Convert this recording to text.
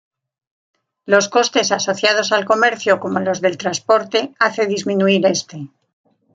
Los costes asociados al comercio, como los del transportes hace disminuir este.